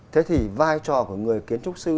thế thì vai trò của người kiến trúc sư